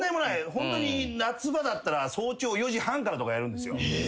ホントに夏場だったら早朝４時半からとかやるんです。